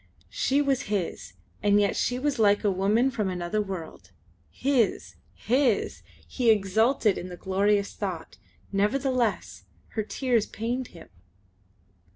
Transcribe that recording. She was his, and yet she was like a woman from another world. His! His! He exulted in the glorious thought; nevertheless her tears pained him.